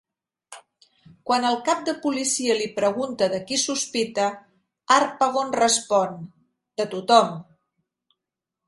Quan el cap de policia li pregunta de qui sospita, Harpagon respon: "De tothom!".